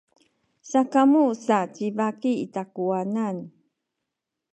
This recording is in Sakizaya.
sakamu sa ci baki i takuwanan.